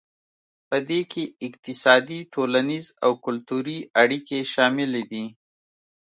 پدې کې اقتصادي ټولنیز او کلتوري اړیکې شاملې دي